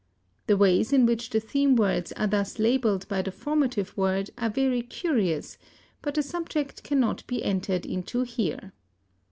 The ways in which the theme words are thus labeled by the formative word are very curious, but the subject cannot be entered into here.